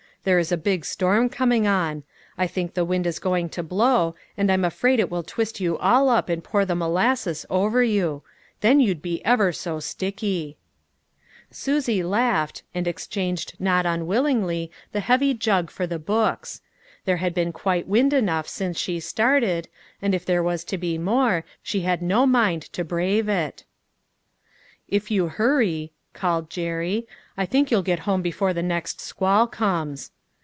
There is a big storm coming on ; I think the wind is going to blow, and I'm afraid it will twist you all up and pour the molasses over you. Then you'd be ever so sticky !" Susie laughed and exchanged not unwillingly the heavy jug for the books. There had been quite wind enough since she started, and if there was to be more, she had no mind to brave it. " If you hurry," called Jerry, " I think you'll get home before the next squall comes."